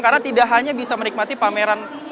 karena tidak hanya bisa menikmati pameran